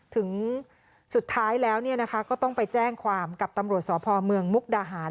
ถึงสุดท้ายแล้วเนี่ยนะคะก็ต้องไปแจ้งความกับตำรวจสอพอเมืองมุกดาหาร